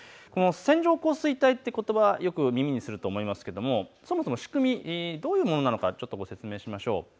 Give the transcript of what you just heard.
線状降水帯ということば耳にすると思いますがそもそも仕組み、どういうものなのかご説明します。